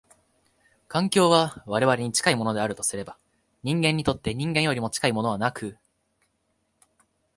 環境は我々に近いものであるとすれば、人間にとって人間よりも近いものはなく、